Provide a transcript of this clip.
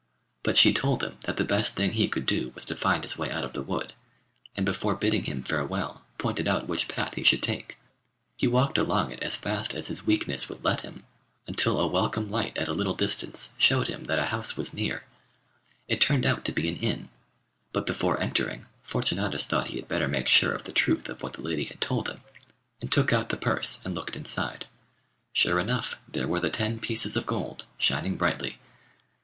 But she told him that the best thing he could do was to find his way out of the wood, and before bidding him farewell pointed out which path he should take. He walked along it as fast as his weakness would let him, until a welcome light at a little distance showed him that a house was near. It turned out to be an inn, but before entering Fortunatus thought he had better make sure of the truth of what the lady had told him, and took out the purse and looked inside. Sure enough there were the ten pieces of gold, shining brightly.